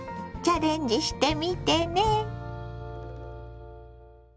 チャレンジしてみてね。